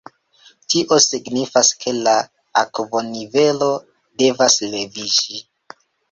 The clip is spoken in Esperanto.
Tio signifas ke la akvonivelo devas leviĝi.